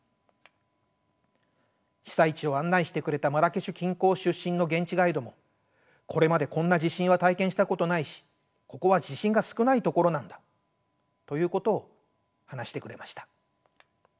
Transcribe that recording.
被災地を案内してくれたマラケシュ近郊出身の現地ガイドも「これまでこんな地震は体験したことないしここは地震が少ない所なんだ」ということを話してくれました。